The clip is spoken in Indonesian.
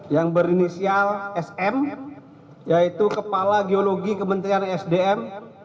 yang berinisial sm yaitu kepala geologi kementerian sdm